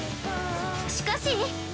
しかし◆